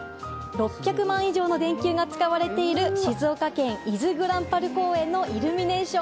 ６００万以上の電球が使われている静岡県・伊豆ぐらんぱる公園のイルミネーション。